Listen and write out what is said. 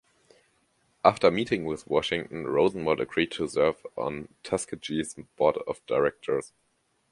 After meeting with Washington, Rosenwald agreed to serve on Tuskegee's Board of Directors.